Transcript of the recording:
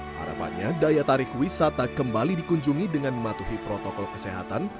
harapannya daya tarik wisata kembali dikunjungi dengan mematuhi protokol kesehatan